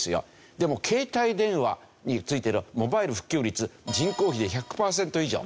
でも携帯電話に付いているモバイル普及率人口比で１００パーセント以上。